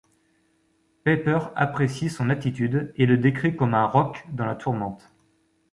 Peiper apprécie son attitude et le décrit comme un roc dans la tourmente.